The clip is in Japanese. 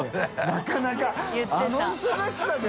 なかなかあの忙しさで？